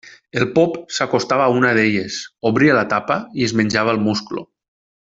El pop s'acostava a una d'elles, obria la tapa i es menjava el musclo.